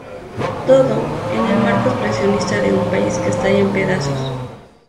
Todo, en el marco expresionista de un país que estalla en pedazos.